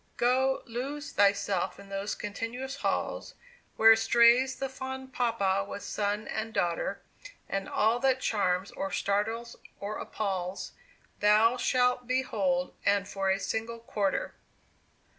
Go lose thyself in those continuous halls, Where strays the fond papa with son and daughter And all that charms or startles or appals, Thou shalt behold, and for a single quarter!